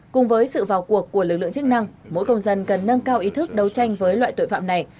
cùng với sự vào cuộc của lực lượng chức năng mỗi công dân cần nâng cao ý thức đấu tranh với loại tội phạm này